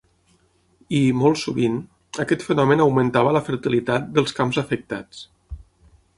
I, molt sovint, aquest fenomen augmentava la fertilitat dels camps afectats.